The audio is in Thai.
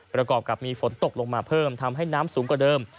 ประกอบกับมีฝนตกลงมาเพิ่มทำให้น้ำสูงกว่าเดิม